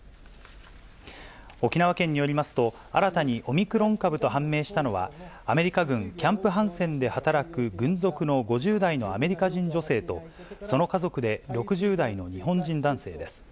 沖縄県によりますと、新たにオミクロン株と判明したのは、アメリカ軍キャンプ・ハンセンで働く、軍属の５０代のアメリカ人女性と、その家族で６０代の日本人男性です。